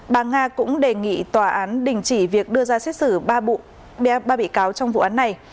bà nga cũng đề nghị tòa án đình chỉ việc đưa ra xét xử ba bị cáo trong vụ án này